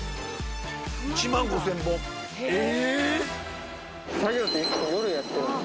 １万５０００本え！